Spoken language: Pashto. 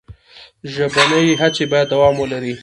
ژبنۍ هڅې باید دوام ولري.